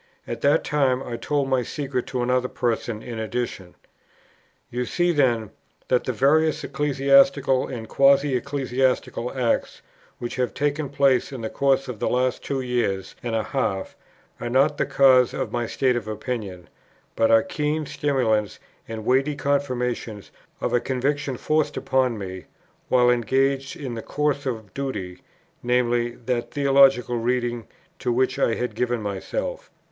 At that time I told my secret to another person in addition. "You see then that the various ecclesiastical and quasi ecclesiastical acts, which have taken place in the course of the last two years and a half, are not the cause of my state of opinion, but are keen stimulants and weighty confirmations of a conviction forced upon me, while engaged in the course of duty, viz. that theological reading to which I had given myself.